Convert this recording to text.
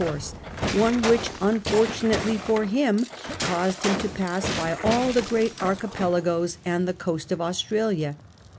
course, one which, unfortunately for him, caused him to pass by all the great archipelagoes and the coast of Australia.